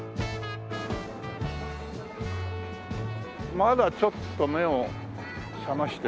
まだちょっと目を覚ましてないか。